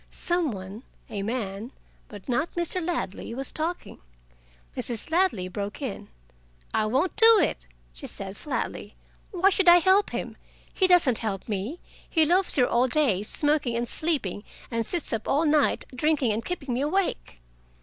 Some one a man, but not Mr. Ladley was talking. Mrs. Ladley broke in: "I won't do it!" she said flatly. "Why should I help him? He doesn't help me. He loafs here all day, smoking and sleeping, and sits up all night, drinking and keeping me awake."